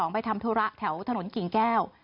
ไปทำธุระแถวถนนกิ่งแก้ว